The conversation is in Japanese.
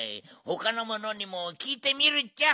ほかのものにもきいてみるっちゃ。